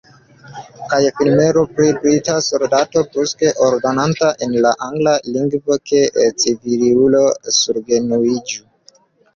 Kaj filmeron pri brita soldato bruske ordonanta en la angla lingvo, ke civilulo surgenuiĝu?